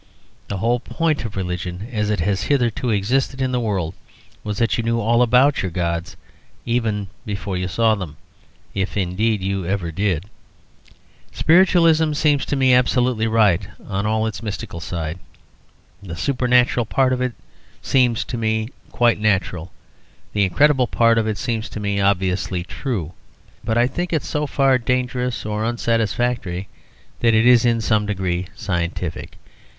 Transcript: The whole point of religion as it has hitherto existed in the world was that you knew all about your gods, even before you saw them, if indeed you ever did. Spiritualism seems to me absolutely right on all its mystical side. The supernatural part of it seems to me quite natural. The incredible part of it seems to me obviously true. But I think it so far dangerous or unsatisfactory that it is in some degree scientific.